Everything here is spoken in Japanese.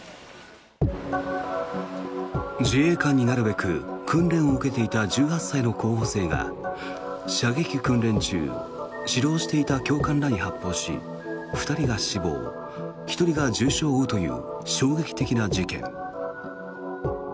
自衛官になるべく訓練を受けていた１８歳の候補生が射撃訓練中指導していた教官らに発砲し２人が死亡１人が重傷を負うという衝撃的な事件。